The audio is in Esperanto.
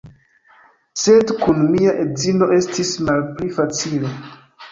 Sed kun mia edzino estis malpli facile.